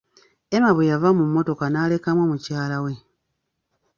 Emma bwe yava mu mmotoka n'alekamu mukyala we.